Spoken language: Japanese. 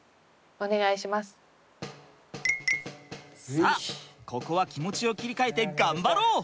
さあここは気持ちを切り替えてがんばろう！